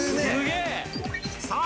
さあ